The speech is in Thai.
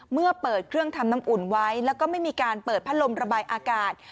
เมื่อเปิดเครื่องทำน้ำอุ่นไว้แล้วก็ไม่มีการเปิดพัดลมระบายอากาศ